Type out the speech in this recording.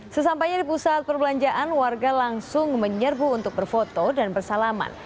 sesampainya di pusat perbelanjaan warga langsung menyerbu untuk berfoto dan bersalaman